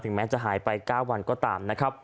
แม้จะหายไป๙วันก็ตามนะครับ